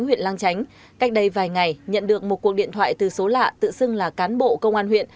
huyện lang chánh cách đây vài ngày nhận được một cuộc điện thoại từ số lạ tự xưng là cán bộ công an huyện